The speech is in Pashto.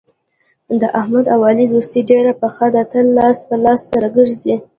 د احمد او علي دوستي ډېره پخه ده تل لاس په لاس سره ګرځي.